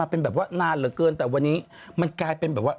เป็นแบบว่านานเหลือเกินแต่วันนี้มันกลายเป็นแบบว่า